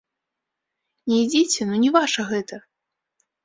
Не ідзіце, ну не ваша гэта.